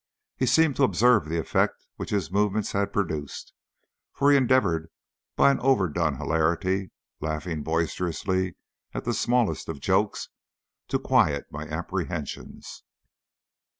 He seemed to observe the effect which his movements had produced, for he endeavoured by an over done hilarity, laughing boisterously at the very smallest of jokes, to quiet my apprehensions.